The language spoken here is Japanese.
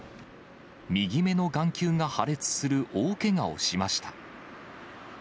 右目の眼球が破裂する大けがをしました。